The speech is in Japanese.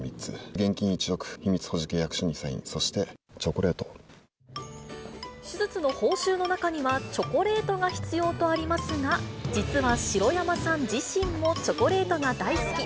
現金１億、秘密保持契約書にサイ手術の報酬の中にはチョコレートが必要とありますが、実は白山さん自身もチョコレートが大好き。